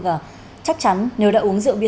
và chắc chắn nếu đã uống rượu bia